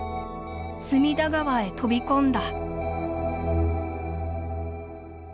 隅田川へとびこんだ」。